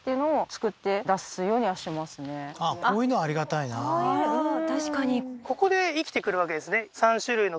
こういうのありがたいなああー